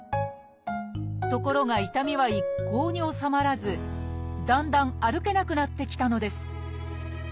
ところが痛みは一向に治まらずだんだん歩けなくなってきたのです。